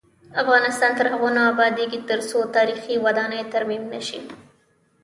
افغانستان تر هغو نه ابادیږي، ترڅو تاریخي ودانۍ ترمیم نشي.